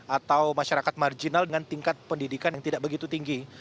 atau masyarakat marginal dengan tingkat pendidikan yang tidak begitu tinggi